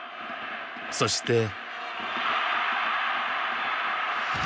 そして。